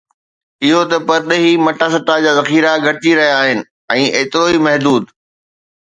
اهو ته پرڏيهي مٽاسٽا جا ذخيرا گهٽجي رهيا آهن ۽ ايترو ئي محدود